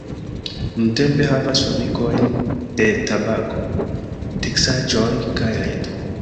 Nuntempe havas fabrikojn de tabako, teksaĵoj kaj ledo.